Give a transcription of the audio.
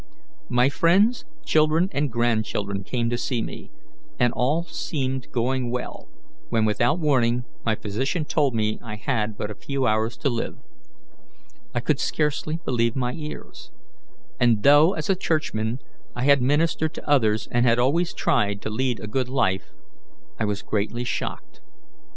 My friends, children, and grandchildren came to see me, and all seemed going well, when, without warning, my physician told me I had but a few hours to live. I could scarcely believe my ears; and though, as a Churchman, I had ministered to others and had always tried to lead a good life, I was greatly shocked.